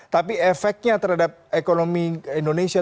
tapi efeknya terhadap ekonomi indonesia